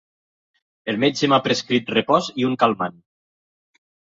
El metge m'ha prescrit repòs i un calmant.